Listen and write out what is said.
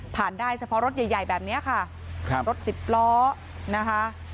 ผ่านได้เฉพาะรถใหญ่แบบนี้ค่ะรถสิบล้อนะคะ